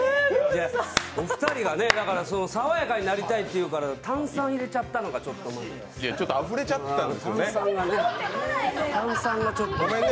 お二人が爽やかになりたいというから、炭酸入れちゃったのがちょっとまずいあふれちゃったんですよねごめんね。